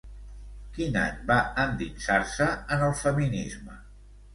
Quin any va endinsar-se en el feminisme?